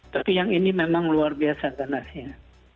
tapi yang ini memang luar biasa tanahnya